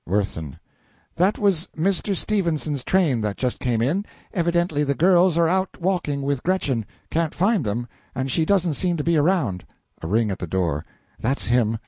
WIRTHIN. That was Mr. Stephenson's train that just came in. Evidently the girls are out walking with Gretchen; can't find them, and she doesn't seem to be around. (A ring at the door.) That's him.